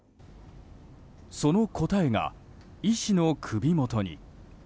その答えが、医師の首元に。